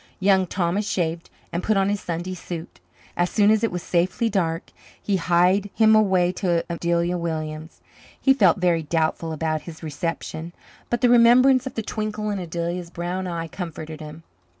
Young Thomas shaved and put on his Sunday suit. As soon as it was safely dark, he hied him away to Adelia Williams. He felt very doubtful about his reception, but the remembrance of the twinkle in Adelia's brown eyes comforted him.